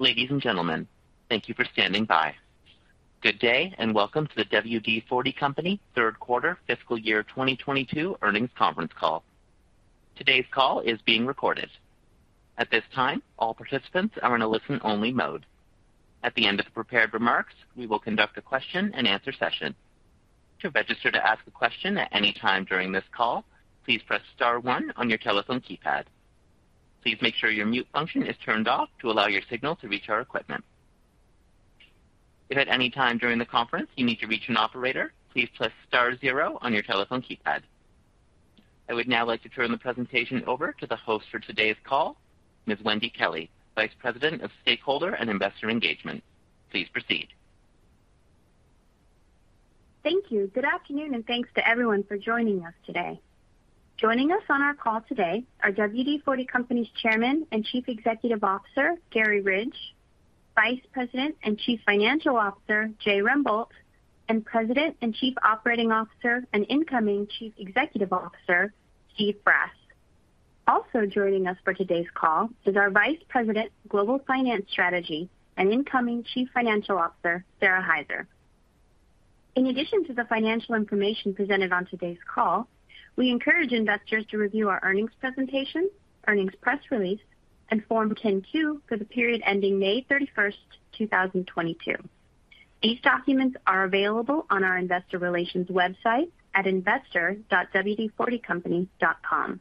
Ladies and gentlemen, thank you for standing by. Good day and welcome to the WD-40 Company third quarter fiscal year 2022 earnings conference call. Today's call is being recorded. At this time, all participants are in a listen-only mode. At the end of the prepared remarks, we will conduct a question-and-answer session. To register to ask a question at any time during this call, please press star one on your telephone keypad. Please make sure your mute function is turned off to allow your signal to reach our equipment. If at any time during the conference you need to reach an operator, please press star zero on your telephone keypad. I would now like to turn the presentation over to the host for today's call, Ms. Wendy Kelley, Vice President of Stakeholder and Investor Engagement. Please proceed. Thank you. Good afternoon, and thanks to everyone for joining us today. Joining us on our call today are WD-40 Company's Chairman and Chief Executive Officer, Garry Ridge, Vice President and Chief Financial Officer, Jay Rembolt, and President and Chief Operating Officer and incoming Chief Executive Officer, Steve Brass. Also joining us for today's call is our Vice President Global Finance Strategy and incoming Chief Financial Officer, Sara Hyzer. In addition to the financial information presented on today's call, we encourage investors to review our earnings presentation, earnings press release, and Form 10-K for the period ending May 31, 2022. These documents are available on our investor relations website at investor.wd40company.com.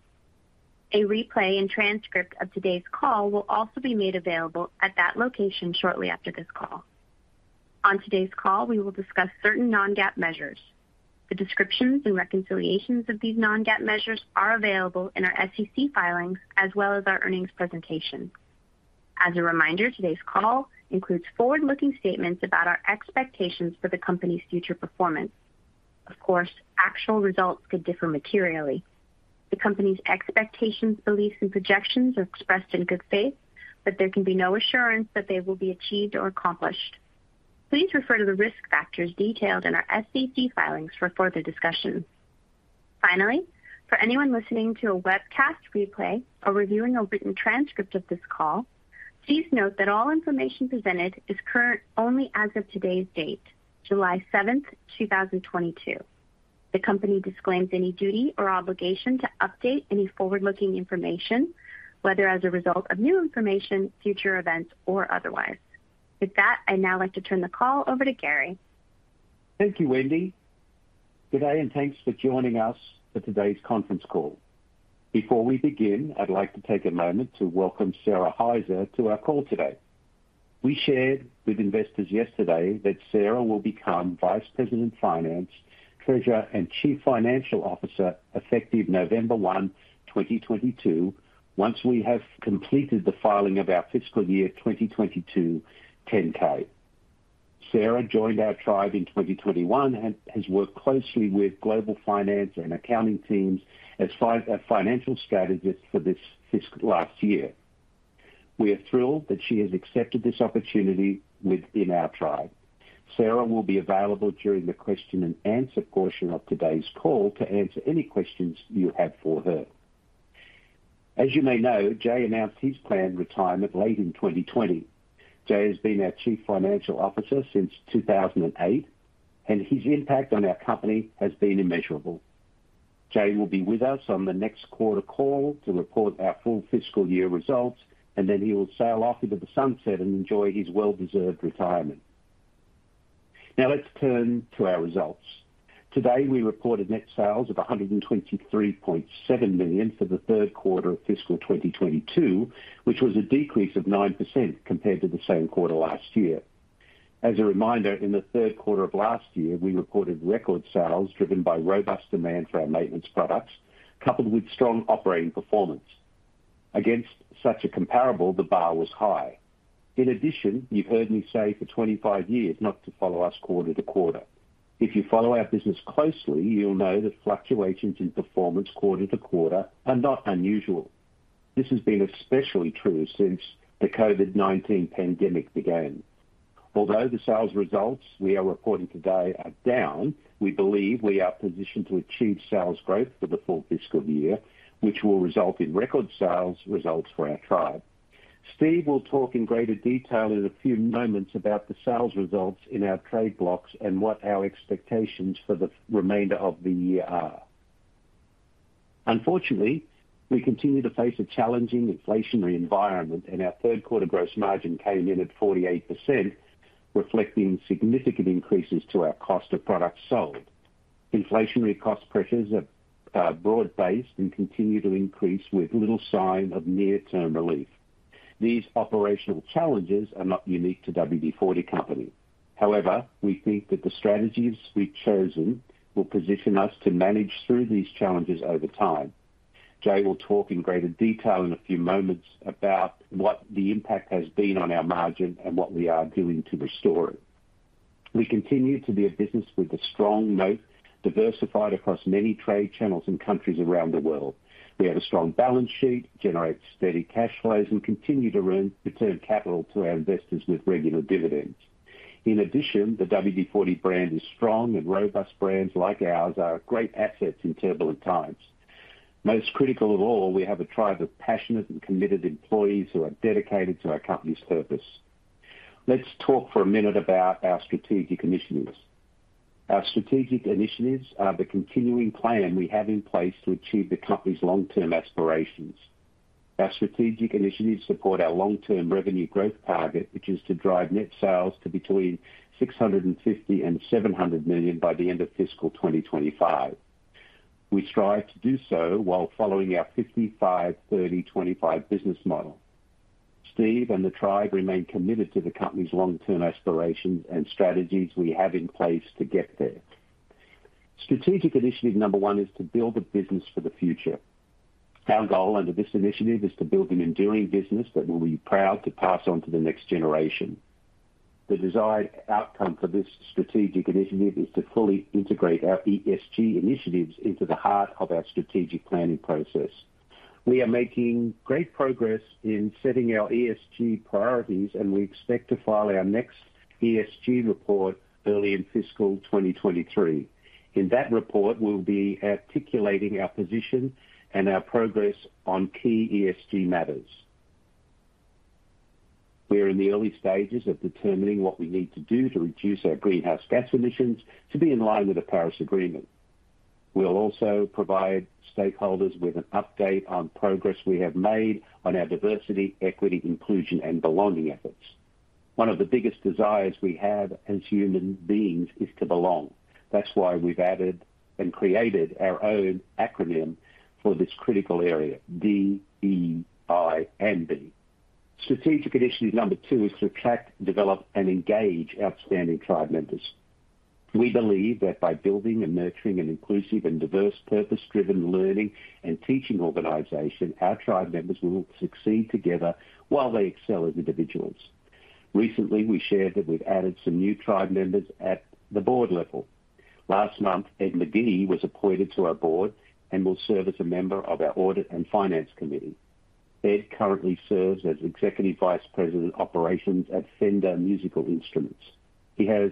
A replay and transcript of today's call will also be made available at that location shortly after this call. On today's call, we will discuss certain non-GAAP measures. The descriptions and reconciliations of these non-GAAP measures are available in our SEC filings as well as our earnings presentation. As a reminder, today's call includes forward-looking statements about our expectations for the company's future performance. Of course, actual results could differ materially. The company's expectations, beliefs, and projections are expressed in good faith, but there can be no assurance that they will be achieved or accomplished. Please refer to the risk factors detailed in our SEC filings for further discussion. Finally, for anyone listening to a webcast replay or reviewing a written transcript of this call, please note that all information presented is current only as of today's date, July seventh, two thousand twenty-two. The company disclaims any duty or obligation to update any forward-looking information, whether as a result of new information, future events, or otherwise. With that, I'd now like to turn the call over to Garry. Thank you, Wendy. Good day and thanks for joining us for today's conference call. Before we begin, I'd like to take a moment to welcome Sara Hyzer to our call today. We shared with investors yesterday that Sara Hyzer will become Vice President, Finance, Treasurer, and Chief Financial Officer effective November 1, 2022, once we have completed the filing of our fiscal year 2022 10-K. Sara Hyzer joined our tribe in 2021 and has worked closely with global finance and accounting teams as a financial strategist for this fiscal last year. We are thrilled that she has accepted this opportunity within our tribe. Sara Hyzer will be available during the question-and-answer portion of today's call to answer any questions you have for her. As you may know, Jay announced his planned retirement late in 2020. Jay has been our Chief Financial Officer since 2008, and his impact on our company has been immeasurable. Jay will be with us on the next quarter call to report our full fiscal year results, and then he will sail off into the sunset and enjoy his well-deserved retirement. Now, let's turn to our results. Today, we reported net sales of $123.7 million for the third quarter of fiscal 2022, which was a decrease of 9% compared to the same quarter last year. As a reminder, in the third quarter of last year, we reported record sales driven by robust demand for our maintenance products, coupled with strong operating performance. Against such a comparable, the bar was high. In addition, you've heard me say for 25 years not to follow us quarter to quarter. If you follow our business closely, you'll know that fluctuations in performance quarter to quarter are not unusual. This has been especially true since the COVID-19 pandemic began. Although the sales results we are reporting today are down, we believe we are positioned to achieve sales growth for the full fiscal year, which will result in record sales results for our tribe. Steve will talk in greater detail in a few moments about the sales results in our trade blocks and what our expectations for the remainder of the year are. Unfortunately, we continue to face a challenging inflationary environment, and our third quarter gross margin came in at 48%, reflecting significant increases to our cost of products sold. Inflationary cost pressures are broad-based and continue to increase with little sign of near-term relief. These operational challenges are not unique to WD-40 Company. However, we think that the strategies we've chosen will position us to manage through these challenges over time. Jay will talk in greater detail in a few moments about what the impact has been on our margin and what we are doing to restore it. We continue to be a business with a strong moat, diversified across many trade channels and countries around the world. We have a strong balance sheet, generate steady cash flows, and continue to return capital to our investors with regular dividends. In addition, the WD-40 brand is strong, and robust brands like ours are great assets in turbulent times. Most critical of all, we have a tribe of passionate and committed employees who are dedicated to our company's purpose. Let's talk for a minute about our strategic initiatives. Our strategic initiatives are the continuing plan we have in place to achieve the company's long-term aspirations. Our strategic initiatives support our long-term revenue growth target, which is to drive net sales to between $650 million and $700 million by the end of fiscal 2025. We strive to do so while following our 55/30/25 business model. Steve and the tribe remain committed to the company's long-term aspirations and strategies we have in place to get there. Strategic initiative number one is to build a business for the future. Our goal under this initiative is to build an enduring business that we'll be proud to pass on to the next generation. The desired outcome for this strategic initiative is to fully integrate our ESG initiatives into the heart of our strategic planning process. We are making great progress in setting our ESG priorities, and we expect to file our next ESG report early in fiscal 2023. In that report, we'll be articulating our position and our progress on key ESG matters. We are in the early stages of determining what we need to do to reduce our greenhouse gas emissions to be in line with the Paris Agreement. We'll also provide stakeholders with an update on progress we have made on our diversity, equity, inclusion, and belonging efforts. One of the biggest desires we have as human beings is to belong. That's why we've added and created our own acronym for this critical area, DEIBB. Strategic initiative number two is to attract, develop, and engage outstanding tribe members. We believe that by building and nurturing an inclusive and diverse, purpose-driven learning and teaching organization, our tribe members will succeed together while they excel as individuals. Recently, we shared that we've added some new tribe members at the board level. Last month, Edward O. Magee, Jr. was appointed to our board and will serve as a member of our Audit and Finance Committee. Edward O. Magee, Jr. currently serves as Executive Vice President of Operations at Fender Musical Instruments. He has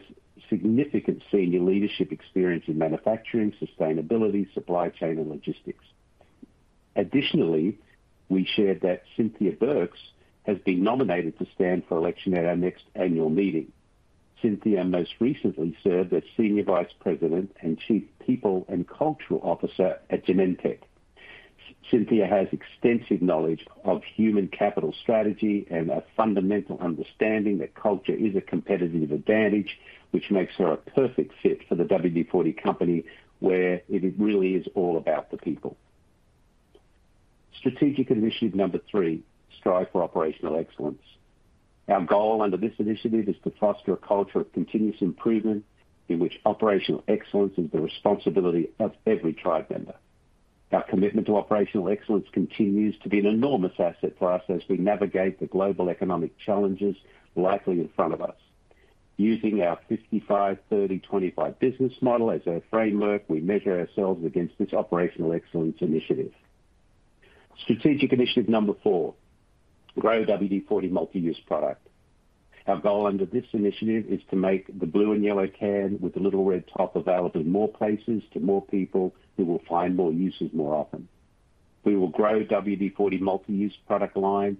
significant senior leadership experience in manufacturing, sustainability, supply chain, and logistics. Additionally, we shared that Cynthia B. Burks has been nominated to stand for election at our next annual meeting. Cynthia B. Burks most recently served as Senior Vice President and Chief People and Cultural Officer at Genentech. Cynthia B. Burks has extensive knowledge of human capital strategy and a fundamental understanding that culture is a competitive advantage, which makes her a perfect fit for the WD-40 Company, where it really is all about the people. Strategic initiative number three, strive for operational excellence. Our goal under this initiative is to foster a culture of continuous improvement in which operational excellence is the responsibility of every tribe member. Our commitment to operational excellence continues to be an enormous asset for us as we navigate the global economic challenges likely in front of us. Using our 55/30/25 business model as our framework, we measure ourselves against this operational excellence initiative. Strategic initiative number four, grow WD-40 Multi-Use Product. Our goal under this initiative is to make the blue and yellow can with the little red top available in more places to more people who will find more uses more often. We will grow WD-40 Multi-Use Product line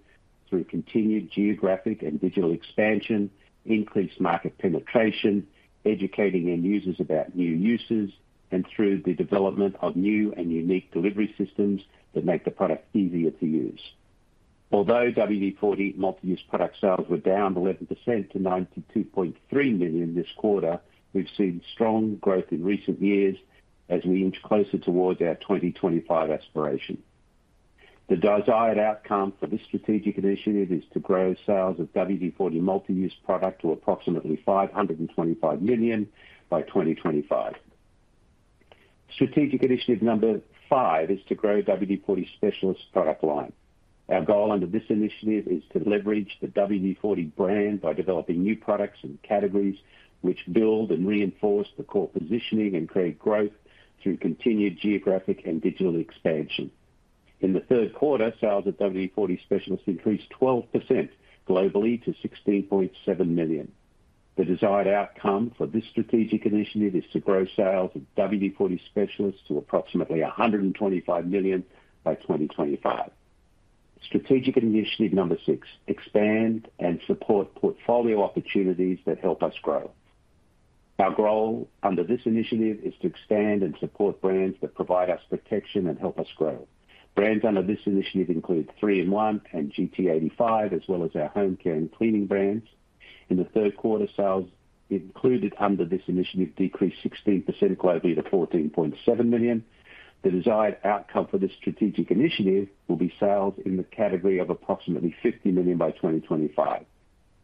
through continued geographic and digital expansion, increased market penetration, educating end users about new uses, and through the development of new and unique delivery systems that make the product easier to use. Although WD-40 Multi-Use Product sales were down 11% to $92.3 million this quarter, we've seen strong growth in recent years as we inch closer towards our 2025 aspiration. The desired outcome for this strategic initiative is to grow sales of WD-40 Multi-Use Product to approximately $525 million by 2025. Strategic initiative number five is to grow WD-40 Specialist product line. Our goal under this initiative is to leverage the WD-40 brand by developing new products and categories which build and reinforce the core positioning and create growth through continued geographic and digital expansion. In the third quarter, sales at WD-40 Specialist increased 12% globally to $16.7 million. The desired outcome for this strategic initiative is to grow sales of WD-40 Specialist to approximately $125 million by 2025. Strategic initiative number six, expand and support portfolio opportunities that help us grow. Our goal under this initiative is to expand and support brands that provide us protection and help us grow. Brands under this initiative include 3-IN-ONE and GT85, as well as our home care and cleaning brands. In the third quarter, sales included under this initiative decreased 16% globally to $14.7 million. The desired outcome for this strategic initiative will be sales in the category of approximately $50 million by 2025.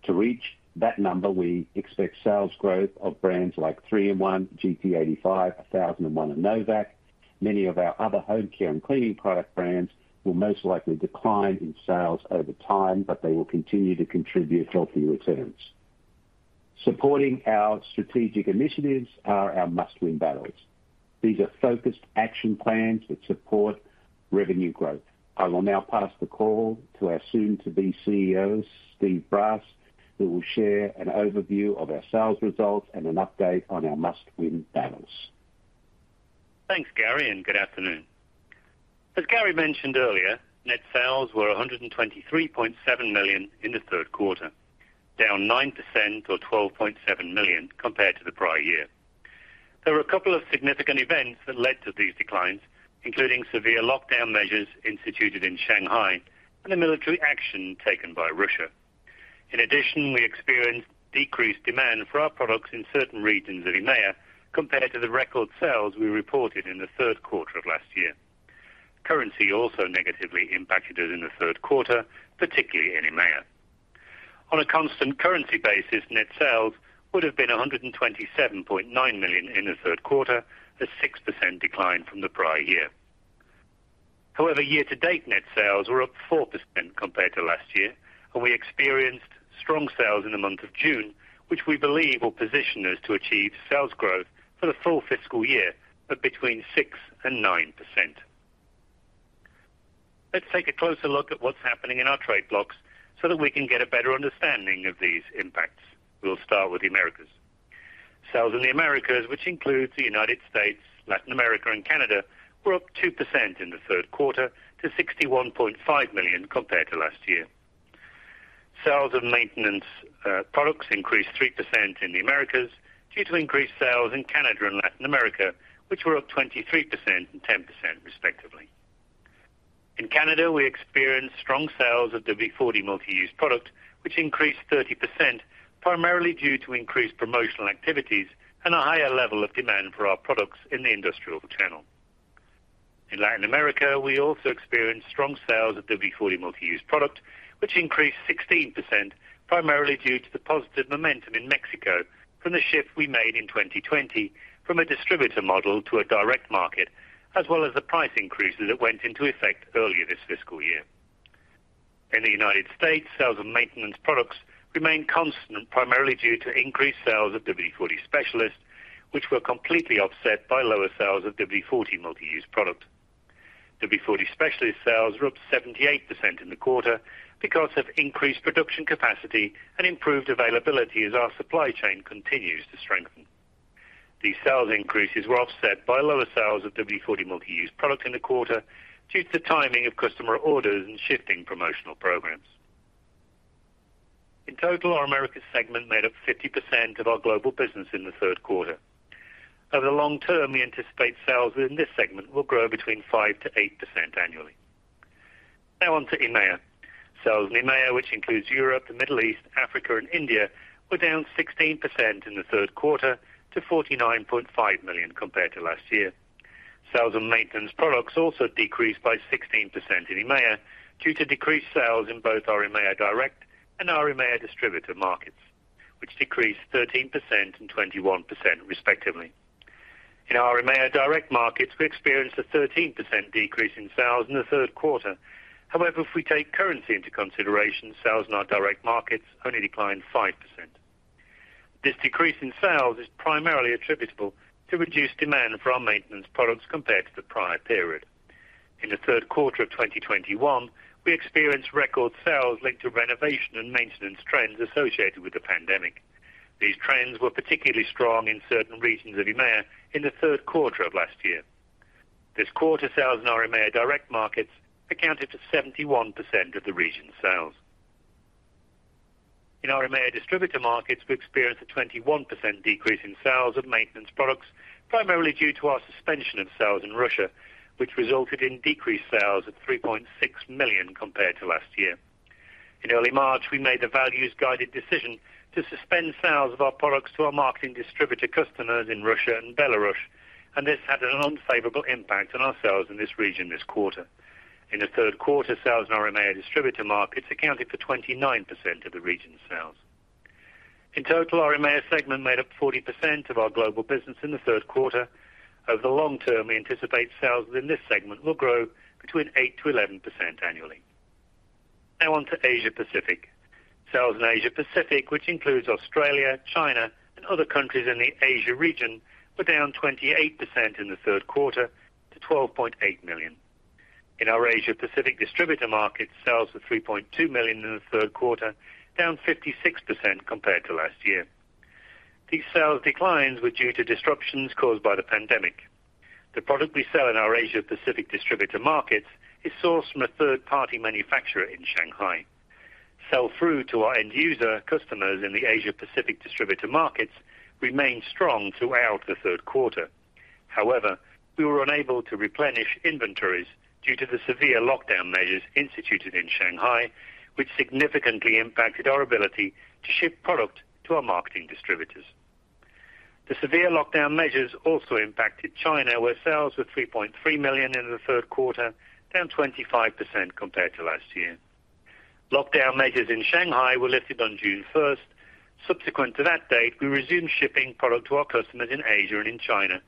To reach that number, we expect sales growth of brands like 3-IN-ONE, GT85, 1001, and no vac. Many of our other home care and cleaning product brands will most likely decline in sales over time, but they will continue to contribute healthy returns. Supporting our strategic initiatives are our must-win battles. These are focused action plans that support revenue growth. I will now pass the call to our soon-to-be CEO, Steve Brass, who will share an overview of our sales results and an update on our must-win battles. Thanks, Gary, and good afternoon. As Gary mentioned earlier, net sales were $123.7 million in the third quarter, down 9% or $12.7 million compared to the prior year. There were a couple of significant events that led to these declines, including severe lockdown measures instituted in Shanghai and the military action taken by Russia. In addition, we experienced decreased demand for our products in certain regions of EMEA compared to the record sales we reported in the third quarter of last year. Currency also negatively impacted us in the third quarter, particularly in EMEA. On a constant currency basis, net sales would have been $127.9 million in the third quarter, a 6% decline from the prior year. However, year-to-date net sales were up 4% compared to last year, and we experienced strong sales in the month of June, which we believe will position us to achieve sales growth for the full fiscal year of between 6% and 9%. Let's take a closer look at what's happening in our trade blocks so that we can get a better understanding of these impacts. We'll start with the Americas. Sales in the Americas, which includes the United States, Latin America, and Canada, were up 2% in the third quarter to $61.5 million compared to last year. Sales of maintenance products increased 3% in the Americas due to increased sales in Canada and Latin America, which were up 23% and 10% respectively. In Canada, we experienced strong sales of WD-40 Multi-Use Product, which increased 30%, primarily due to increased promotional activities and a higher level of demand for our products in the industrial channel. In Latin America, we also experienced strong sales of WD-40 Multi-Use Product, which increased 16%, primarily due to the positive momentum in Mexico from the shift we made in 2020 from a distributor model to a direct market, as well as the price increases that went into effect earlier this fiscal year. In the United States, sales of maintenance products remained constant, primarily due to increased sales of WD-40 Specialist, which were completely offset by lower sales of WD-40 Multi-Use Product. WD-40 Specialist sales were up 78% in the quarter because of increased production capacity and improved availability as our supply chain continues to strengthen. These sales increases were offset by lower sales of WD-40 Multi-Use Product in the quarter due to the timing of customer orders and shifting promotional programs. In total, our Americas segment made up 50% of our global business in the third quarter. Over the long term, we anticipate sales in this segment will grow between 5%-8% annually. Now on to EMEA. Sales in EMEA, which includes Europe, the Middle East, Africa, and India, were down 16% in the third quarter to $49.5 million compared to last year. Sales of maintenance products also decreased by 16% in EMEA due to decreased sales in both our EMEA direct and our EMEA distributor markets, which decreased 13% and 21% respectively. In our EMEA direct markets, we experienced a 13% decrease in sales in the third quarter. However, if we take currency into consideration, sales in our direct markets only declined 5%. This decrease in sales is primarily attributable to reduced demand for our maintenance products compared to the prior period. In the third quarter of 2021, we experienced record sales linked to renovation and maintenance trends associated with the pandemic. These trends were particularly strong in certain regions of EMEA in the third quarter of last year. This quarter, sales in our EMEA direct markets accounted for 71% of the region's sales. In our EMEA distributor markets, we experienced a 21% decrease in sales of maintenance products, primarily due to our suspension of sales in Russia, which resulted in decreased sales of $3.6 million compared to last year. In early March, we made the values-guided decision to suspend sales of our products to our market and distributor customers in Russia and Belarus, and this had an unfavorable impact on our sales in this region this quarter. In the third quarter, sales in our EMEA distributor markets accounted for 29% of the region's sales. In total, our EMEA segment made up 40% of our global business in the third quarter. Over the long term, we anticipate sales in this segment will grow between 8%-11% annually. Now on to Asia-Pacific. Sales in Asia-Pacific, which includes Australia, China, and other countries in the Asia region, were down 28% in the third quarter to $12.8 million. In our Asia-Pacific distributor markets, sales were $3.2 million in the third quarter, down 56% compared to last year. These sales declines were due to disruptions caused by the pandemic. The product we sell in our Asia-Pacific distributor markets is sourced from a third-party manufacturer in Shanghai. Sell-through to our end user customers in the Asia-Pacific distributor markets remained strong throughout the third quarter. However, we were unable to replenish inventories due to the severe lockdown measures instituted in Shanghai, which significantly impacted our ability to ship product to our marketing distributors. The severe lockdown measures also impacted China, where sales were $3.3 million in the third quarter, down 25% compared to last year. Lockdown measures in Shanghai were lifted on June first. Subsequent to that date, we resumed shipping product to our customers in Asia and in China.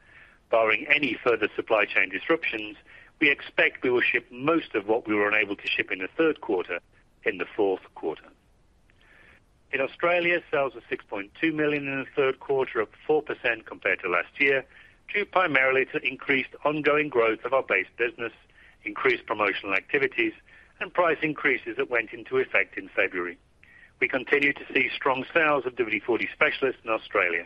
Barring any further supply chain disruptions, we expect we will ship most of what we were unable to ship in the third quarter in the fourth quarter. In Australia, sales were $6.2 million in the third quarter, up 4% compared to last year, due primarily to increased ongoing growth of our base business, increased promotional activities, and price increases that went into effect in February. We continue to see strong sales of WD-40 Specialist in Australia.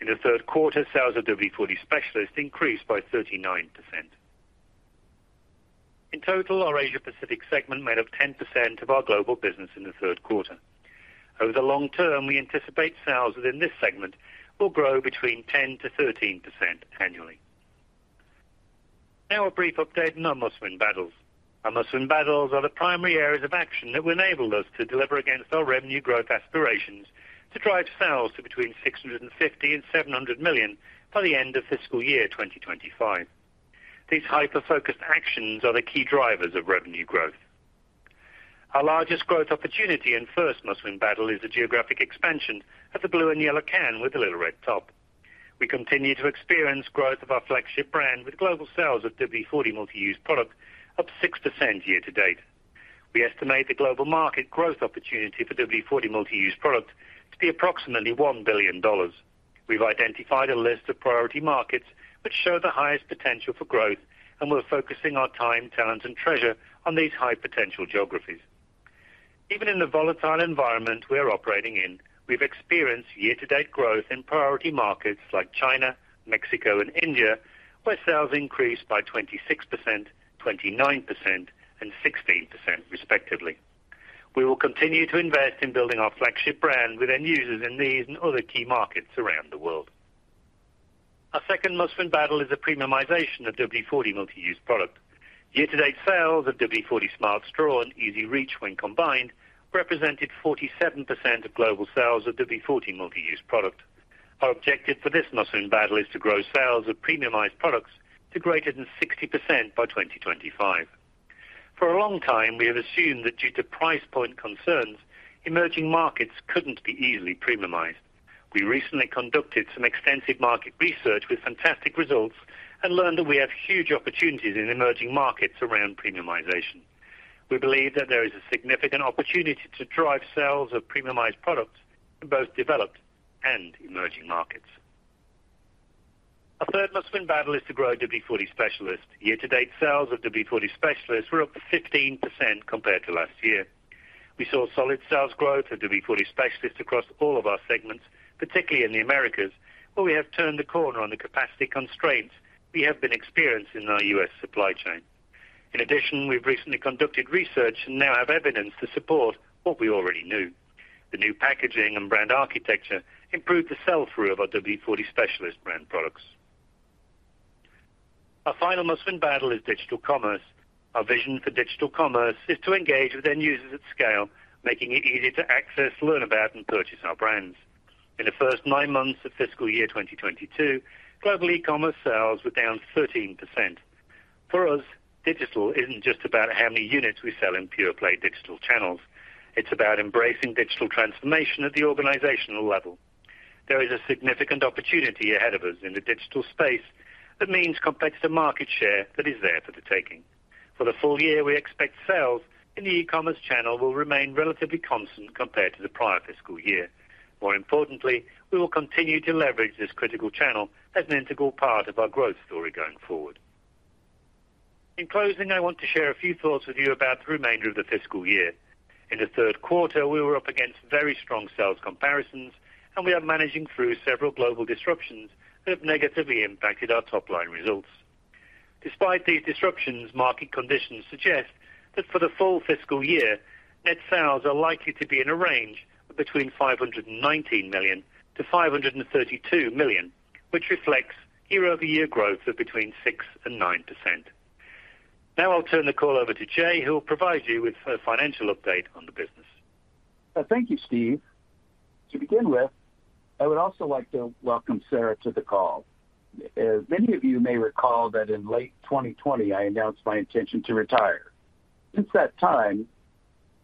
In the third quarter, sales of WD-40 Specialist increased by 39%. In total, our Asia Pacific segment made up 10% of our global business in the third quarter. Over the long term, we anticipate sales within this segment will grow between 10%-13% annually. Now a brief update on our Must Win Battles. Our Must Win Battles are the primary areas of action that will enable us to deliver against our revenue growth aspirations to drive sales to between $650 million and $700 million by the end of fiscal year 2025. These hyper-focused actions are the key drivers of revenue growth. Our largest growth opportunity and first Must Win Battle is the geographic expansion of the blue and yellow can with the little red top. We continue to experience growth of our flagship brand with global sales of WD-40 Multi-Use Product up 6% year-to-date. We estimate the global market growth opportunity for WD-40 Multi-Use Product to be approximately $1 billion. We've identified a list of priority markets which show the highest potential for growth, and we're focusing our time, talent, and treasure on these high-potential geographies. Even in the volatile environment we are operating in, we've experienced year-to-date growth in priority markets like China, Mexico, and India, where sales increased by 26%, 29%, and 16% respectively. We will continue to invest in building our flagship brand with end users in these and other key markets around the world. Our second Must Win Battle is the premiumization of WD-40 Multi-Use Product. Year to date sales of WD-40 Smart Straw and EZ-REACH when combined represented 47% of global sales of WD-40 Multi-Use Product. Our objective for this Must Win Battle is to grow sales of premiumized products to greater than 60% by 2025. For a long time, we have assumed that due to price point concerns, emerging markets couldn't be easily premiumized. We recently conducted some extensive market research with fantastic results and learned that we have huge opportunities in emerging markets around premiumization. We believe that there is a significant opportunity to drive sales of premiumized products in both developed and emerging markets. Our third Must Win Battle is to grow WD-40 Specialist. Year to date sales of WD-40 Specialist were up 15% compared to last year. We saw solid sales growth of WD-40 Specialist across all of our segments, particularly in the Americas, where we have turned the corner on the capacity constraints we have been experiencing in our U.S. supply chain. In addition, we've recently conducted research and now have evidence to support what we already knew. The new packaging and brand architecture improved the sell-through of our WD-40 Specialist brand products. Our final Must Win Battle is digital commerce. Our vision for digital commerce is to engage with end users at scale, making it easier to access, learn about, and purchase our brands. In the first nine months of fiscal year 2022, global e-commerce sales were down 13%. For us, digital isn't just about how many units we sell in pure play digital channels. It's about embracing digital transformation at the organizational level. There is a significant opportunity ahead of us in the digital space that means competitive market share that is there for the taking. For the full year, we expect sales in the e-commerce channel will remain relatively constant compared to the prior fiscal year. More importantly, we will continue to leverage this critical channel as an integral part of our growth story going forward. In closing, I want to share a few thoughts with you about the remainder of the fiscal year. In the third quarter, we were up against very strong sales comparisons, and we are managing through several global disruptions that have negatively impacted our top-line results. Despite these disruptions, market conditions suggest that for the full fiscal year, net sales are likely to be in a range of between $519 million-$532 million, which reflects year-over-year growth of between 6%-9%. Now I'll turn the call over to Jay, who will provide you with a financial update on the business. Thank you, Steve. To begin with, I would also like to welcome Sarah to the call. As many of you may recall that in late 2020, I announced my intention to retire. Since that time,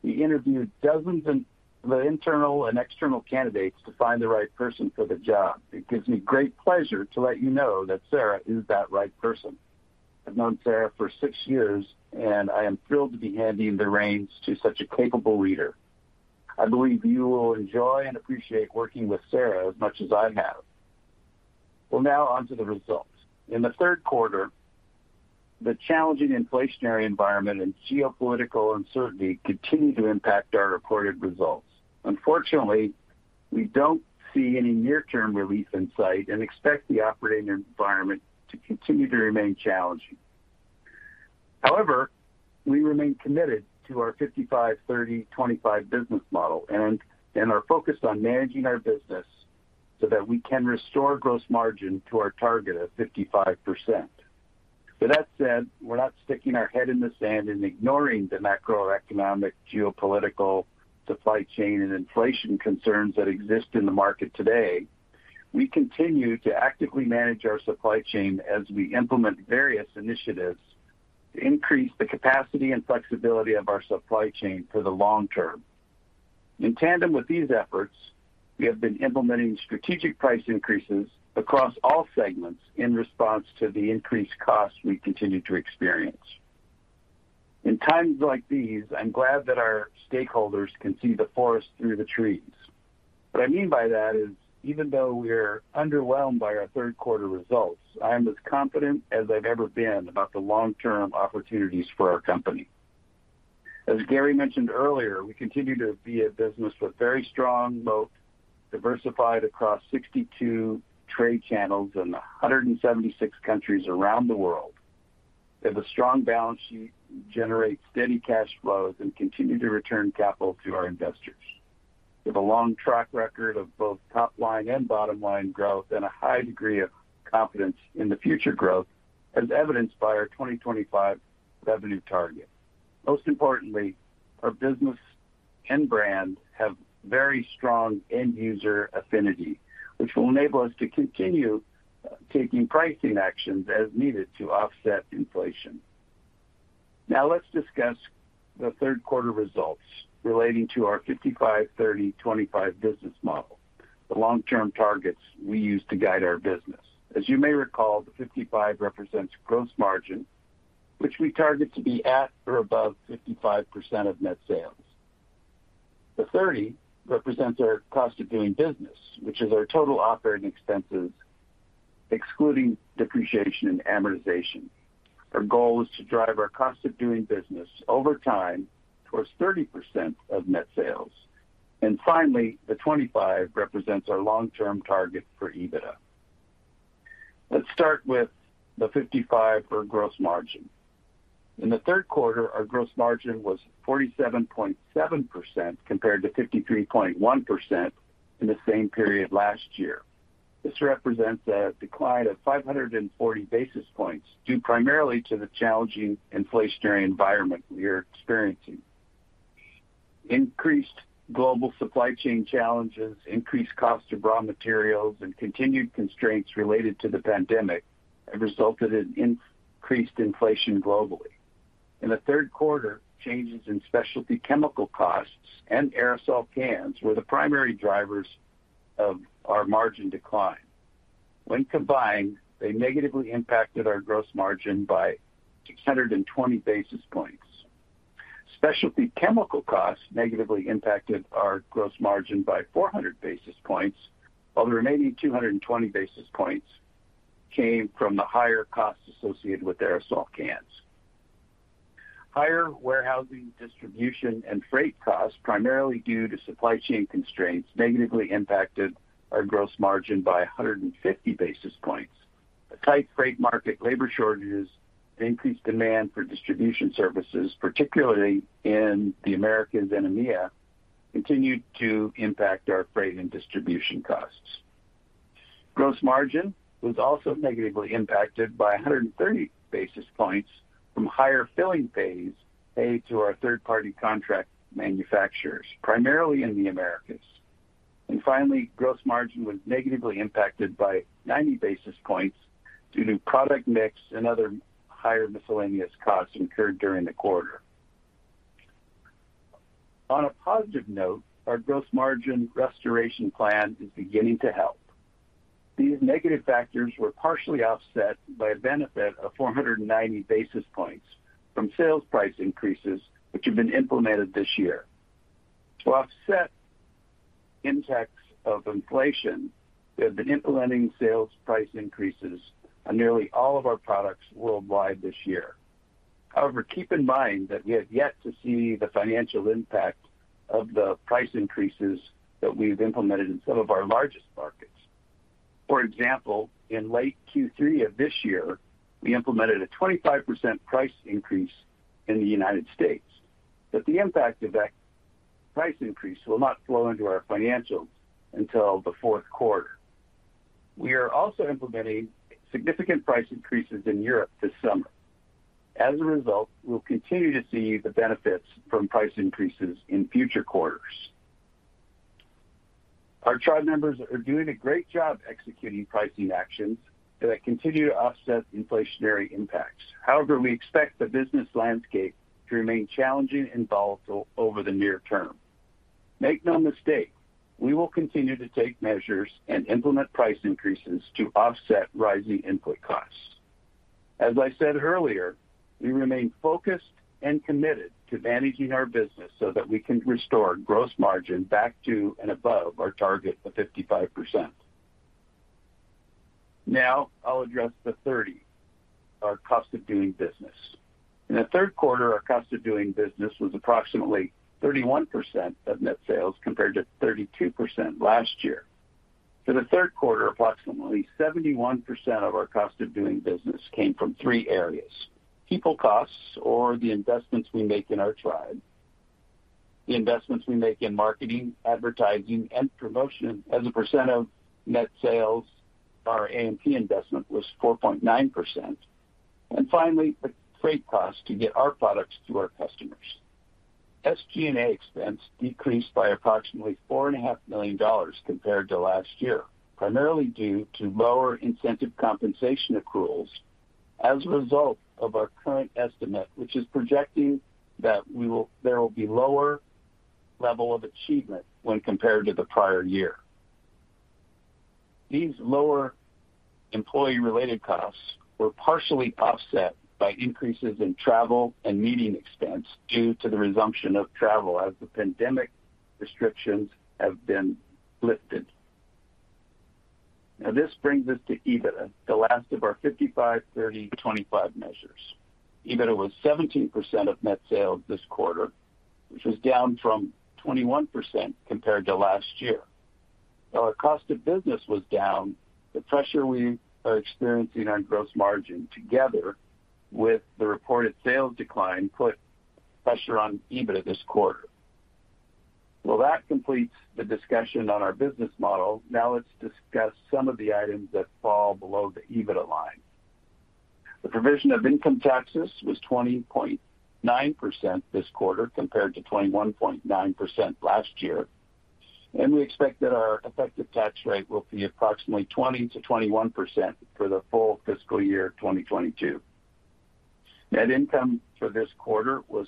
we interviewed dozens of internal and external candidates to find the right person for the job. It gives me great pleasure to let you know that Sarah is that right person. I've known Sarah for six years, and I am thrilled to be handing the reins to such a capable leader. I believe you will enjoy and appreciate working with Sarah as much as I have. Well, now onto the results. In the third quarter, the challenging inflationary environment and geopolitical uncertainty continued to impact our reported results. Unfortunately, we don't see any near-term relief in sight and expect the operating environment to continue to remain challenging. However, we remain committed to our 55/30/25 business model and are focused on managing our business so that we can restore gross margin to our target of 55%. With that said, we're not sticking our head in the sand and ignoring the macroeconomic, geopolitical, supply chain, and inflation concerns that exist in the market today. We continue to actively manage our supply chain as we implement various initiatives to increase the capacity and flexibility of our supply chain for the long term. In tandem with these efforts, we have been implementing strategic price increases across all segments in response to the increased costs we continue to experience. In times like these, I'm glad that our stakeholders can see the forest through the trees. What I mean by that is even though we're underwhelmed by our third quarter results, I am as confident as I've ever been about the long-term opportunities for our company. As Garry mentioned earlier, we continue to be a business with very strong moat, diversified across 62 trade channels in 176 countries around the world. We have a strong balance sheet, generate steady cash flows, and continue to return capital to our investors. We have a long track record of both top line and bottom line growth and a high degree of confidence in the future growth as evidenced by our 2025 revenue target. Most importantly, our business and brand have very strong end user affinity, which will enable us to continue taking pricing actions as needed to offset inflation. Now let's discuss the third quarter results relating to our 55/30/25 business model, the long-term targets we use to guide our business. As you may recall, the 55 represents gross margin, which we target to be at or above 55% of net sales. The 30 represents our cost of doing business, which is our total operating expenses excluding depreciation and amortization. Our goal is to drive our cost of doing business over time towards 30% of net sales. Finally, the 25 represents our long-term target for EBITDA. Let's start with the 55 for gross margin. In the third quarter, our gross margin was 47.7% compared to 53.1% in the same period last year. This represents a decline of 540 basis points, due primarily to the challenging inflationary environment we are experiencing. Increased global supply chain challenges, increased cost of raw materials, and continued constraints related to the pandemic have resulted in increased inflation globally. In the third quarter, changes in specialty chemical costs and aerosol cans were the primary drivers of our margin decline. When combined, they negatively impacted our gross margin by 620 basis points. Specialty chemical costs negatively impacted our gross margin by 400 basis points, while the remaining 220 basis points came from the higher costs associated with aerosol cans. Higher warehousing, distribution, and freight costs, primarily due to supply chain constraints, negatively impacted our gross margin by 150 basis points. The tight freight market, labor shortages, the increased demand for distribution services, particularly in the Americas and EMEA, continued to impact our freight and distribution costs. Gross margin was also negatively impacted by 130 basis points from higher filling fees made to our third-party contract manufacturers, primarily in the Americas. Finally, gross margin was negatively impacted by 90 basis points due to product mix and other higher miscellaneous costs incurred during the quarter. On a positive note, our gross margin restoration plan is beginning to help. These negative factors were partially offset by a benefit of 490 basis points from sales price increases, which have been implemented this year. To offset impacts of inflation, we have been implementing sales price increases on nearly all of our products worldwide this year. However, keep in mind that we have yet to see the financial impact of the price increases that we've implemented in some of our largest markets. For example, in late Q3 of this year, we implemented a 25% price increase in the United States, but the impact of that price increase will not flow into our financials until the fourth quarter. We are also implementing significant price increases in Europe this summer. As a result, we'll continue to see the benefits from price increases in future quarters. Our tribe members are doing a great job executing pricing actions that continue to offset inflationary impacts. However, we expect the business landscape to remain challenging and volatile over the near term. Make no mistake, we will continue to take measures and implement price increases to offset rising input costs. As I said earlier, we remain focused and committed to managing our business so that we can restore gross margin back to and above our target of 55%. Now I'll address the 30, our cost of doing business. In the third quarter, our cost of doing business was approximately 31% of net sales, compared to 32% last year. For the third quarter, approximately 71% of our cost of doing business came from three areas, people costs or the investments we make in our tribe, the investments we make in marketing, advertising, and promotion. As a percent of net sales, our AMP investment was 4.9%. Finally, the freight cost to get our products to our customers. SG&A expense decreased by approximately $4.5 million compared to last year, primarily due to lower incentive compensation accruals as a result of our current estimate, there will be lower level of achievement when compared to the prior year. These lower employee-related costs were partially offset by increases in travel and meeting expense due to the resumption of travel as the pandemic restrictions have been lifted. Now, this brings us to EBITDA, the last of our 55, 30, 25 measures. EBITDA was 17% of net sales this quarter, which was down from 21% compared to last year. While our cost of business was down, the pressure we are experiencing on gross margin, together with the reported sales decline, put pressure on EBITDA this quarter. Well, that completes the discussion on our business model. Now let's discuss some of the items that fall below the EBITDA line. The provision of income taxes was 20.9% this quarter compared to 21.9% last year, and we expect that our effective tax rate will be approximately 20%-21% for the full fiscal year 2022. Net income for this quarter was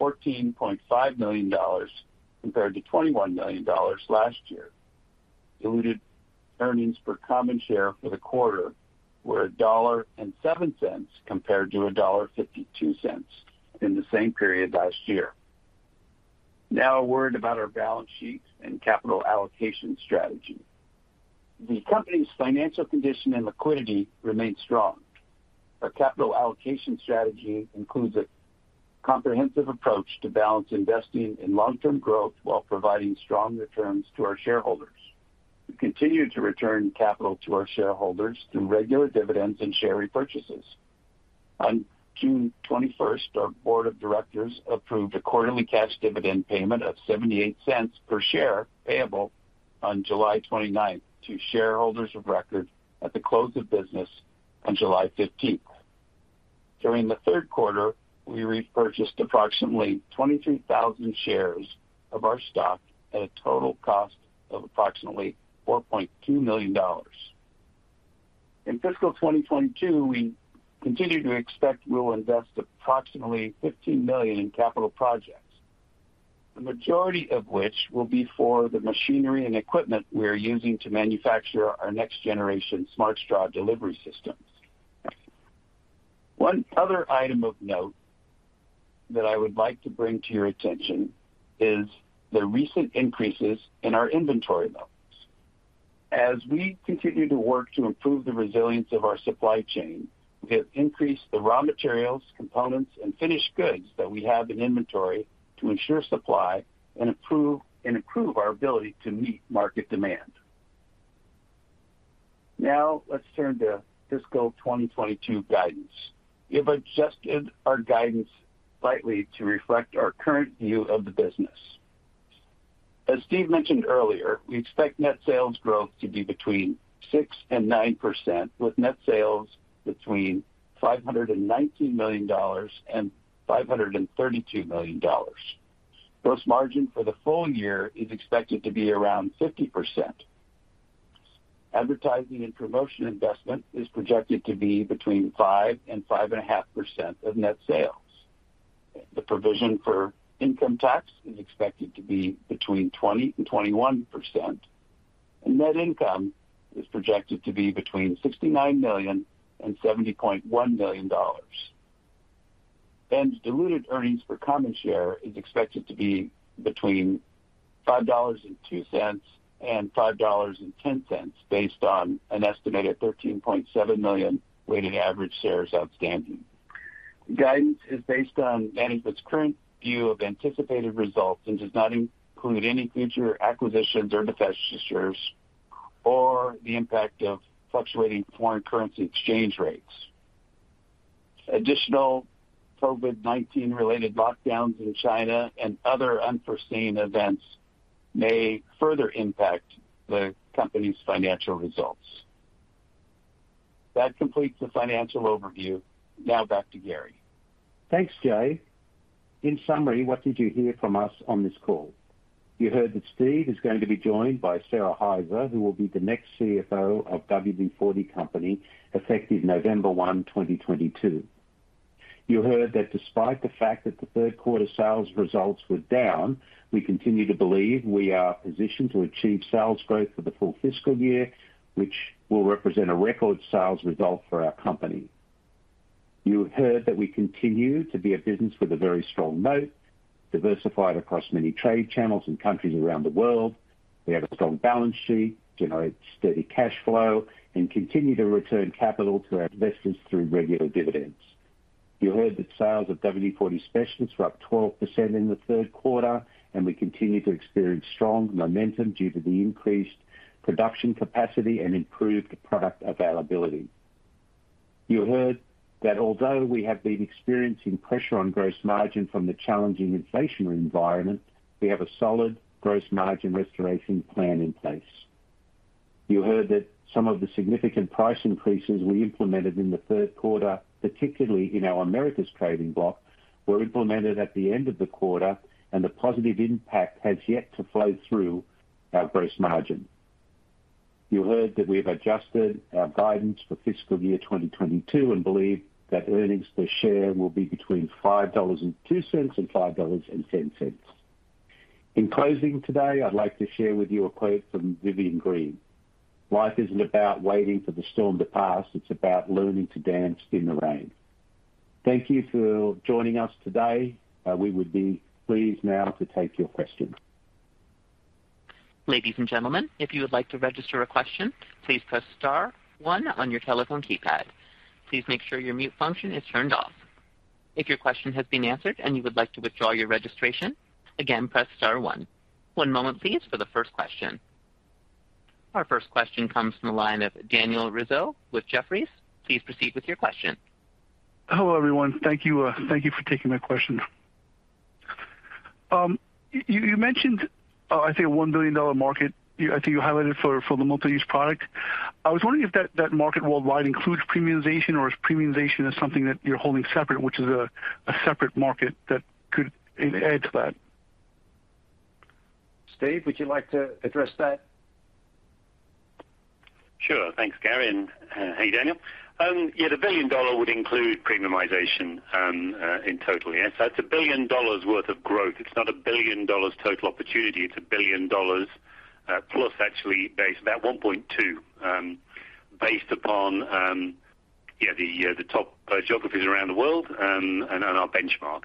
$14.5 million compared to $21 million last year. Diluted earnings per common share for the quarter were $1.07 compared to $1.52 in the same period last year. Now a word about our balance sheet and capital allocation strategy. The company's financial condition and liquidity remain strong. Our capital allocation strategy includes a comprehensive approach to balance investing in long-term growth while providing strong returns to our shareholders. We continue to return capital to our shareholders through regular dividends and share repurchases. On June 21st, our board of directors approved a quarterly cash dividend payment of $0.78 per share, payable on July 29th to shareholders of record at the close of business on July 15th. During the third quarter, we repurchased approximately 23,000 shares of our stock at a total cost of approximately $4.2 million. In fiscal 2022, we continue to expect we will invest approximately $15 million in capital projects, the majority of which will be for the machinery and equipment we are using to manufacture our next generation Smart Straw delivery systems. One other item of note that I would like to bring to your attention is the recent increases in our inventory levels. As we continue to work to improve the resilience of our supply chain, we have increased the raw materials, components, and finished goods that we have in inventory to ensure supply and improve our ability to meet market demand. Now let's turn to fiscal 2022 guidance. We have adjusted our guidance slightly to reflect our current view of the business. As Steve mentioned earlier, we expect net sales growth to be 6%-9%, with net sales between $519 million and $532 million. Gross margin for the full year is expected to be around 50%. Advertising and promotion investment is projected to be 5%-5.5% of net sales. The provision for income tax is expected to be between 20% and 21%, and net income is projected to be between $69 million and $70.1 million. Diluted earnings per common share is expected to be between $5.02 and $5.10, based on an estimated 13.7 million weighted average shares outstanding. Guidance is based on management's current view of anticipated results and does not include any future acquisitions or divestitures or the impact of fluctuating foreign currency exchange rates. Additional COVID-19 related lockdowns in China and other unforeseen events may further impact the company's financial results. That completes the financial overview. Now back to Gary. Thanks, Jay. In summary, what did you hear from us on this call? You heard that Steve is going to be joined by Sara Hyzer, who will be the next CFO of WD-40 Company effective November 1, 2022. You heard that despite the fact that the third quarter sales results were down, we continue to believe we are positioned to achieve sales growth for the full fiscal year, which will represent a record sales result for our company. You heard that we continue to be a business with a very strong moat, diversified across many trade channels and countries around the world. We have a strong balance sheet, generate steady cash flow, and continue to return capital to our investors through regular dividends. You heard that sales of WD-40 Specialist were up 12% in the third quarter, and we continue to experience strong momentum due to the increased production capacity and improved product availability. You heard that although we have been experiencing pressure on gross margin from the challenging inflationary environment, we have a solid gross margin restoration plan in place. You heard that some of the significant price increases we implemented in the third quarter, particularly in our Americas trading block, were implemented at the end of the quarter and the positive impact has yet to flow through our gross margin. You heard that we have adjusted our guidance for fiscal year 2022 and believe that earnings per share will be between $5.02 and $5.10. In closing today, I'd like to share with you a quote from Vivian Greene. "Life isn't about waiting for the storm to pass. It's about learning to dance in the rain." Thank you for joining us today. We would be pleased now to take your questions. Ladies and gentlemen, if you would like to register a question, please press star one on your telephone keypad. Please make sure your mute function is turned off. If your question has been answered and you would like to withdraw your registration, again, press star one. One moment please for the first question. Our first question comes from the line of Daniel Rizzo with Jefferies. Please proceed with your question. Hello, everyone. Thank you for taking my question. You mentioned, I think, $1 billion market. You, I think, highlighted for the multi-use product. I was wondering if that market worldwide includes premiumization or is premiumization something that you're holding separate, which is a separate market that could add to that. Steve, would you like to address that? Sure. Thanks, Garry. Hey, Daniel. The $1 billion would include premiumization in total. It's $1 billion worth of growth. It's not $1 billion total opportunity. It's $1 billion+, actually based about 1.2 based upon the top geographies around the world and our benchmark.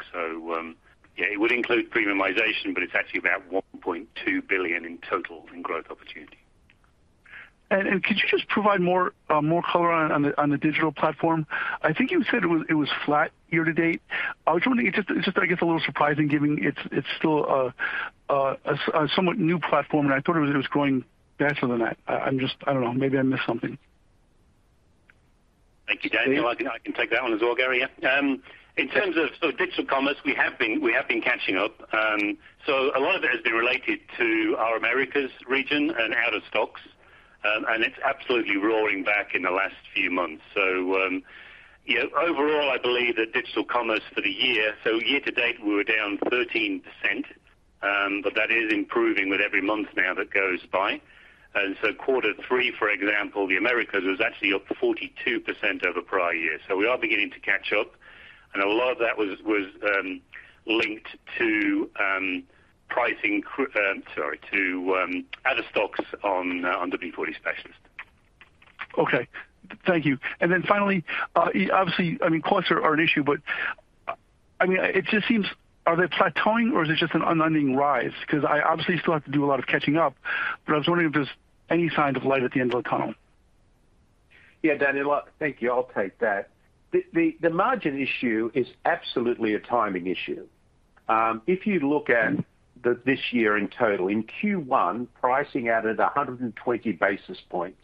It would include premiumization, but it's actually about $1.2 billion in total in growth opportunity. Could you just provide more color on the digital platform? I think you said it was flat year to date. I was wondering it's just I guess a little surprising given it's still a somewhat new platform, and I thought it was growing faster than that. I'm just. I don't know. Maybe I missed something. Thank you, Daniel. I can take that one as well, Gary. Yeah. In terms of digital commerce, we have been catching up. A lot of it has been related to our Americas region and out of stocks, and it's absolutely roaring back in the last few months. Overall, I believe that digital commerce for the year to date, we were down 13%, but that is improving with every month now that goes by. Quarter three, for example, the Americas was actually up 42% over prior year. We are beginning to catch up. A lot of that was linked to out of stocks on the WD-40 Specialist. Okay. Thank you. Finally, obviously, I mean, costs are an issue, but, I mean, it just seems, are they plateauing or is it just an unending rise? 'Cause I obviously still have to do a lot of catching up, but I was wondering if there's any sign of light at the end of the tunnel. Yeah, Daniel. Thank you. I'll take that. The margin issue is absolutely a timing issue. If you look at this year in total, in Q1, pricing added 120 basis points.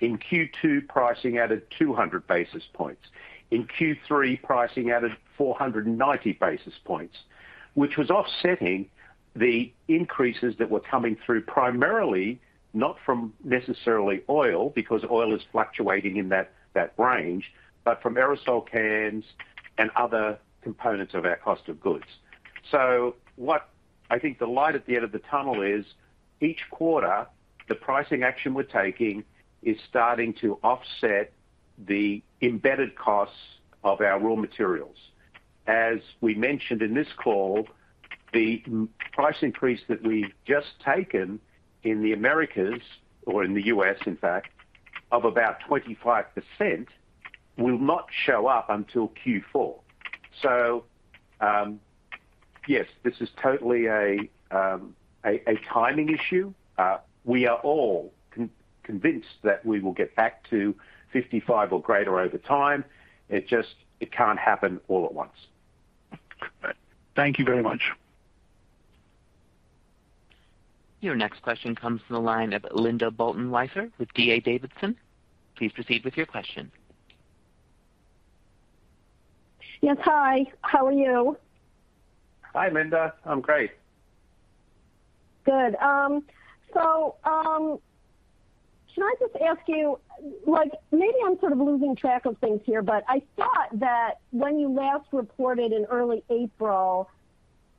In Q2, pricing added 200 basis points. In Q3, pricing added 490 basis points, which was offsetting the increases that were coming through primarily not from necessarily oil, because oil is fluctuating in that range, but from aerosol cans and other components of our cost of goods. What I think the light at the end of the tunnel is each quarter, the pricing action we're taking is starting to offset the embedded costs of our raw materials. As we mentioned in this call, the price increase that we've just taken in the Americas or in the US, in fact, of about 25% will not show up until Q4. Yes, this is totally a timing issue. We are all convinced that we will get back to 55% or greater over time. It just can't happen all at once. Thank you very much. Your next question comes from the line of Linda Bolton Weiser with D.A. Davidson. Please proceed with your question. Yes. Hi. How are you? Hi, Linda. I'm great. Good. So can I just ask you, like, maybe I'm sort of losing track of things here, but I thought that when you last reported in early April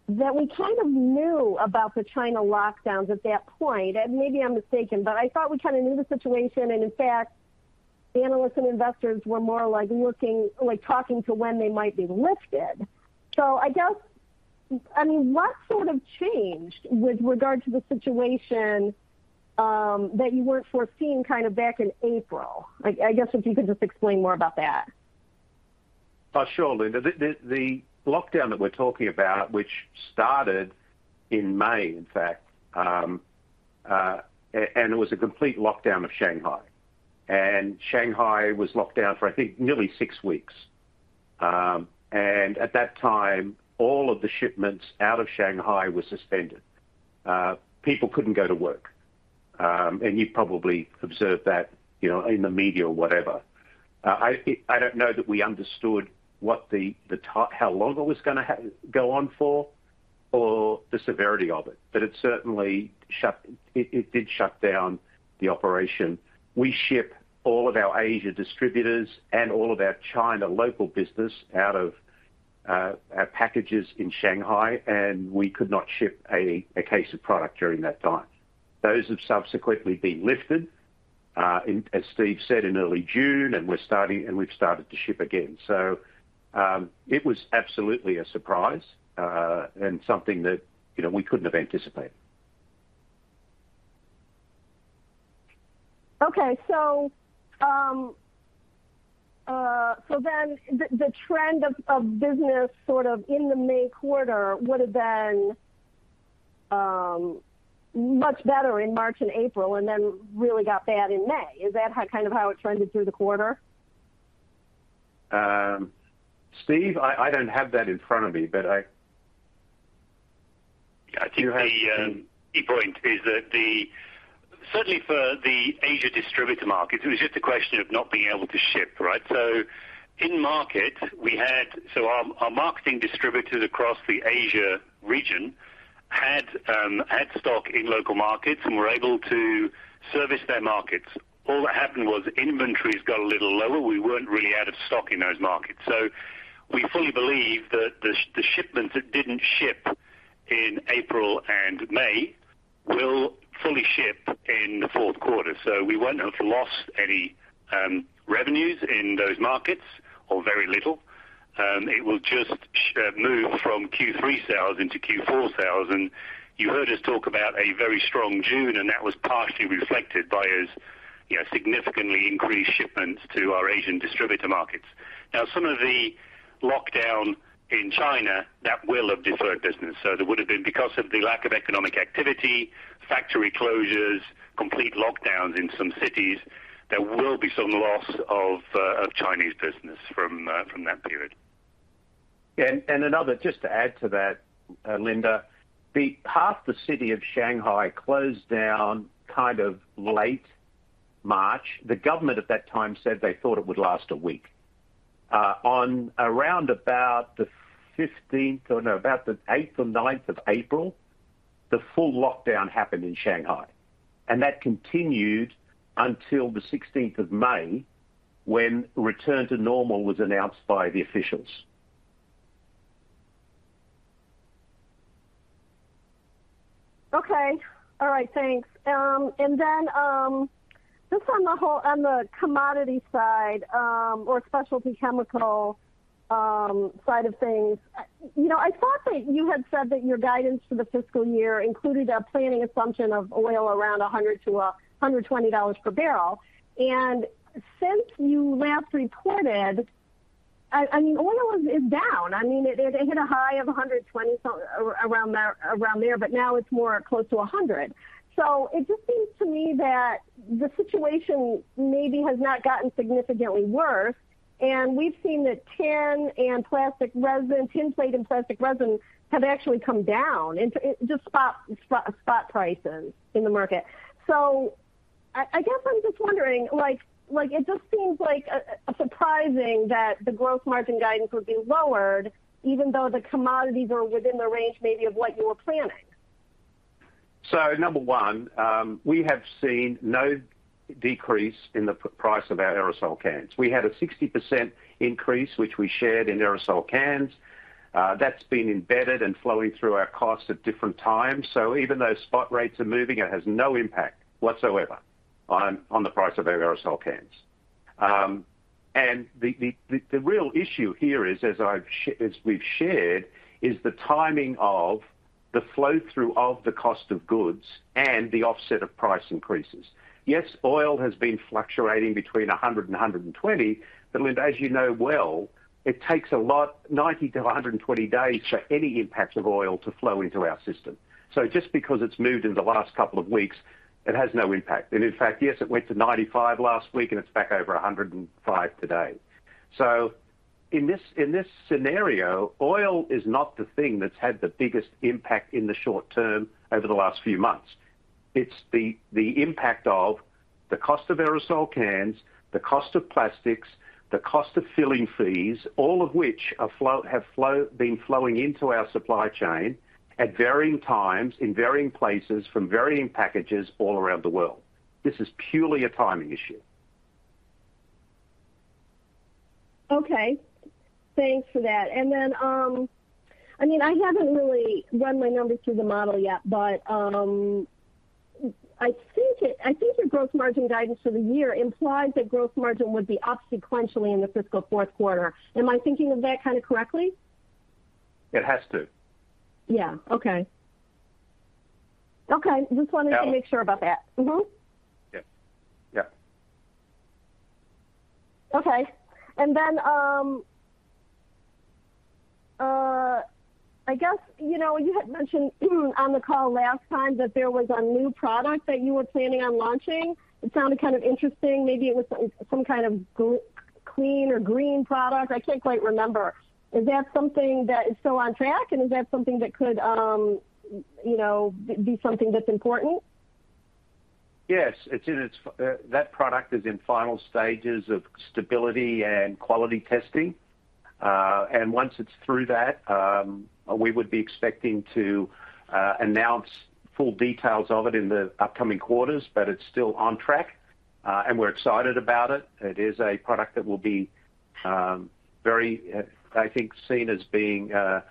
that we kind of knew about the China lockdowns at that point, and maybe I'm mistaken, but I thought we kinda knew the situation, and in fact, the analysts and investors were more like looking, like, talking about when they might be lifted. I guess, I mean, what sort of changed with regard to the situation that you weren't foreseeing kinda back in April? Like, I guess if you could just explain more about that. Oh, sure, Linda. The lockdown that we're talking about, which started in May, in fact, and it was a complete lockdown of Shanghai. Shanghai was locked down for, I think, nearly six weeks. At that time, all of the shipments out of Shanghai were suspended. People couldn't go to work. You've probably observed that, you know, in the media or whatever. I don't know that we understood how long it was gonna go on for or the severity of it, but it certainly shut down the operation. We ship all of our Asian distributors and all of our China local business out of our facilities in Shanghai, and we could not ship a case of product during that time. Those have subsequently been lifted. As Steve said in early June, we've started to ship again. It was absolutely a surprise, and something that, you know, we couldn't have anticipated. The trend of business sort of in the May quarter would have been much better in March and April and then really got bad in May. Is that kind of how it trended through the quarter? Steve, I don't have that in front of me. I think the key point is that certainly for the Asia distributor market, it was just a question of not being able to ship, right? In market, we had our marketing distributors across the Asia region had stock in local markets and were able to service their markets. All that happened was inventories got a little lower. We weren't really out of stock in those markets. We fully believe that the shipments that didn't ship in April and May will fully ship in the fourth quarter. We won't have lost any revenues in those markets or very little. It will just move from Q3 sales into Q4 sales. You heard us talk about a very strong June, and that was partially reflected by us, you know, significantly increased shipments to our Asian distributor markets. Now, some of the lockdown in China, that will have deferred business. That would have been because of the lack of economic activity, factory closures, complete lockdowns in some cities. There will be some loss of Chinese business from that period. Yeah. Another just to add to that, Linda, half the city of Shanghai closed down kind of late March. The government at that time said they thought it would last a week. About the eighth or ninth of April, the full lockdown happened in Shanghai, and that continued until the sixteenth of May, when return to normal was announced by the officials. Okay. All right. Thanks. Just on the commodity side, or specialty chemical side of things, you know, I thought that you had said that your guidance for the fiscal year included a planning assumption of oil around $100-$120 per barrel. Since you last reported, I mean, oil is down. I mean, it hit a high of 120 around there, but now it's closer to 100. It just seems to me that the situation maybe has not gotten significantly worse. We've seen that tin plate and plastic resin have actually come down in just spot prices in the market. I guess I'm just wondering, like, it just seems like surprising that the gross margin guidance would be lowered even though the commodities are within the range maybe of what you were planning. Number one, we have seen no decrease in the price of our aerosol cans. We had a 60% increase, which we shared in aerosol cans. That's been embedded and flowing through our costs at different times. Even though spot rates are moving, it has no impact whatsoever on the price of our aerosol cans. The real issue here is, as we've shared, the timing of the flow-through of the cost of goods and the offset of price increases. Yes, oil has been fluctuating between $100 and $120, but Linda, as you know well, it takes a lot, 90 to 120 days for any impact of oil to flow into our system. Just because it's moved in the last couple of weeks, it has no impact. In fact, yes, it went to 95 last week, and it's back over 105 today. In this scenario, oil is not the thing that's had the biggest impact in the short term over the last few months. It's the impact of the cost of aerosol cans, the cost of plastics, the cost of filling fees, all of which have been flowing into our supply chain at varying times, in varying places, from varying packages all around the world. This is purely a timing issue. Okay. Thanks for that. I mean, I haven't really run my numbers through the model yet, but, I think your gross margin guidance for the year implies that gross margin would be up sequentially in the fiscal fourth quarter. Am I thinking of that kinda correctly? It has to. Yeah. Okay. Just wanted to make sure about that. Yeah. Mm-hmm. Yeah. Yeah. Okay. I guess, you know, you had mentioned on the call last time that there was a new product that you were planning on launching. It sounded kind of interesting. Maybe it was some kind of g-clean or green product. I can't quite remember. Is that something that is still on track? And is that something that could, you know, be something that's important? Yes. That product is in final stages of stability and quality testing. Once it's through that, we would be expecting to announce full details of it in the upcoming quarters, but it's still on track, and we're excited about it. It is a product that will be I think seen as being a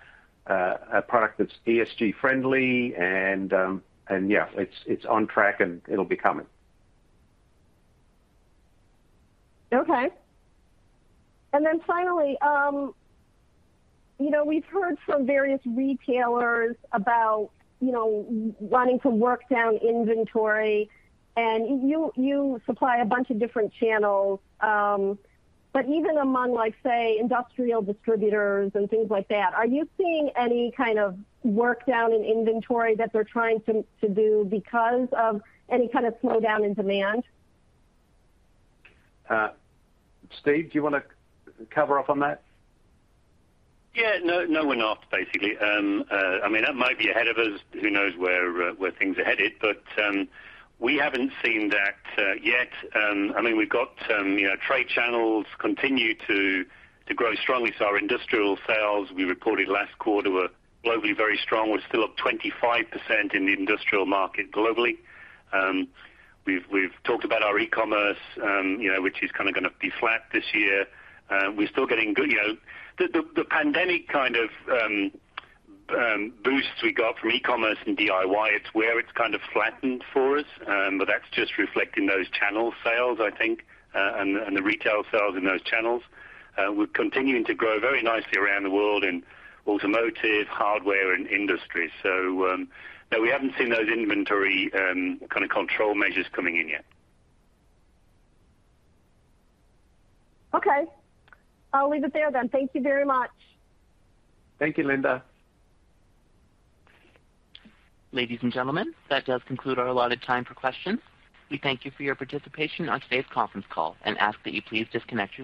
product that's ESG friendly and yeah, it's on track and it'll be coming. Okay. Finally, you know, we've heard from various retailers about, you know, wanting to work down inventory, and you supply a bunch of different channels. Even among like, say, industrial distributors and things like that, are you seeing any kind of work down in inventory that they're trying to do because of any kind of slowdown in demand? Steve, do you wanna cover off on that? Yeah. No, no one asked, basically. I mean, that might be ahead of us. Who knows where things are headed, but we haven't seen that yet. I mean, we've got you know, trade channels continue to grow strongly. Our industrial sales, we reported last quarter, were globally very strong. We're still up 25% in the industrial market globally. We've talked about our e-commerce you know, which is kinda gonna be flat this year. We're still getting good. You know, the pandemic kind of boosts we got from e-commerce and DIY, it's where it's kind of flattened for us. That's just reflecting those channel sales, I think, and the retail sales in those channels. We're continuing to grow very nicely around the world in automotive, hardware, and industry. No, we haven't seen those inventory kind of control measures coming in yet. Okay. I'll leave it there then. Thank you very much. Thank you, Linda. Ladies and gentlemen, that does conclude our allotted time for questions. We thank you for your participation on today's conference call, and ask that you please disconnect your lines.